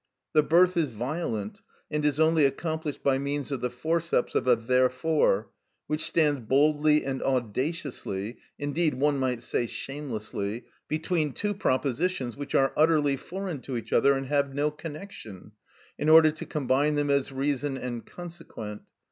The birth is violent, and is only accomplished by means of the forceps of a therefore, which stands boldly and audaciously, indeed one might say shamelessly, between two propositions which are utterly foreign to each other and have no connection, in order to combine them as reason and consequent.